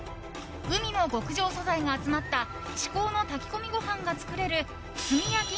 海の極上素材が集まった至高の炊き込みご飯が作れる炭焼